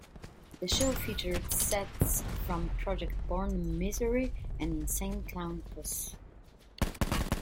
The show featured sets from "Project Born", Myzery and Insane Clown Posse.